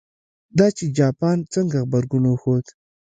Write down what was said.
دا چې جاپان څنګه غبرګون وښود.